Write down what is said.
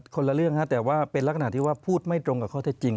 คนละเรื่องแต่ว่าเป็นลักษณะที่ว่าพูดไม่ตรงกับข้อเท็จจริง